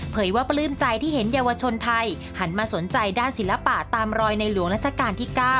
ว่าปลื้มใจที่เห็นเยาวชนไทยหันมาสนใจด้านศิลปะตามรอยในหลวงรัชกาลที่๙